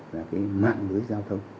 mạng lưới giao thông